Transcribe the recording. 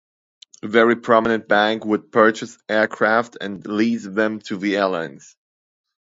A very prominent bank would purchase aircraft and lease them to the airlines.